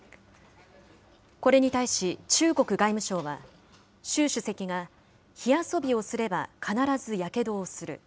これに対し、中国外務省は、習主席が火遊びをすれば必ずやけどをする。